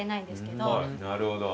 なるほど。